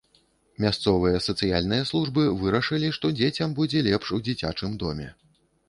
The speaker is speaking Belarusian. Мясцовыя сацыяльныя службы вырашылі, што дзецям будзе лепш у дзіцячым доме.